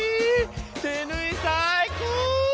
手ぬい最高！